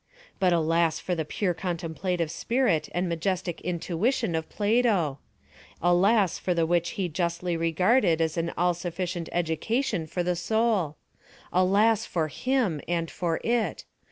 But alas for the pure contemplative spirit and majestic intuition of Plato! Alas for the μουσικη which he justly regarded as an all sufficient education for the soul! Alas for him and for it!